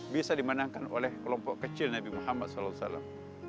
bisa dimenangkan oleh kelompok kecil nabi muhammad saw